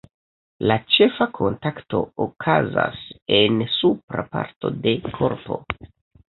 La ĉefa kontakto okazas en supra parto de korpo.